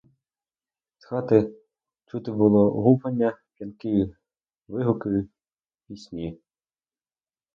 З хати чути було гупання, п'яні вигуки, пісні.